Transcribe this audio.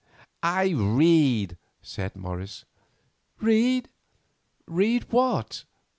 "I read," said Morris. "Read? Read what?